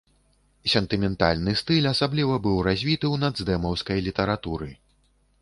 Сентыментальны стыль асабліва быў развіты ў нацдэмаўскай літаратуры.